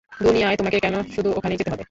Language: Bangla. দুনিয়ায় তোমাকে কেন শুধু ওখানেই যেতে হবে?